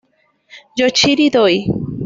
Yoshinori Doi